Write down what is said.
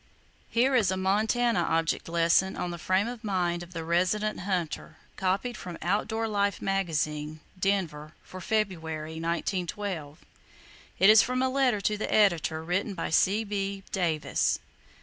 Here is a Montana object lesson on the frame of mind of the "resident" hunter, copied from Outdoor Life Magazine (Denver) for February, 1912. It is from a letter to the Editor, written by C.B. Davis.